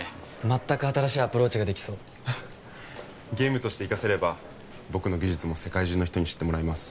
全く新しいアプローチができそうゲームとして生かせれば僕の技術も世界中の人に知ってもらえます